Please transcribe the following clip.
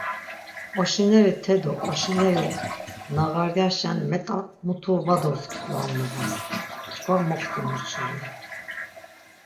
Oşineri te do oşineri nağaryaşen met̆a mutu va doskidu am noğas, çkva moxtimuşi re.